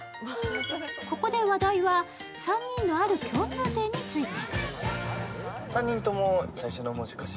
ここで話題は３人のある共通点について。